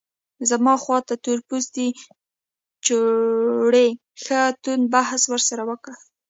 زما خواته تور پوستي جوړې ښه توند بحث ورسره وکړ.